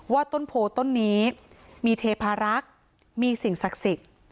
ต้นโพต้นนี้มีเทพารักษ์มีสิ่งศักดิ์สิทธิ์